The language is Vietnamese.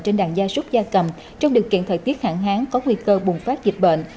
trên đàn gia súc gia cầm trong điều kiện thời tiết hạn hán có nguy cơ bùng phát dịch bệnh